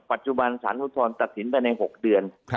ปัจจุบันสารอุทธรณ์ตัดสินไปใน๖เดือน